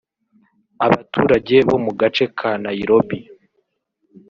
Abaturage bo mu gace ka Nairobi